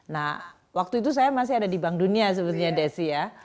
nah waktu itu saya masih ada di bank dunia sebetulnya desi ya